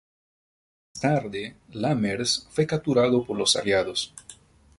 Más tarde Lammers fue capturado por los aliados.